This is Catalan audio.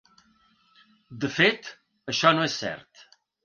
De fet, això no és cert.